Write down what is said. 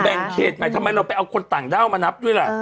เขตใหม่ทำไมเราไปเอาคนต่างด้าวมานับด้วยล่ะ